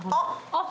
あっ！